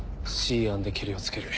Ｃ案でケリをつける。